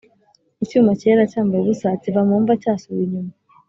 icyuma cyera cyambaye ubusa kiva mumva cyasubiye inyuma,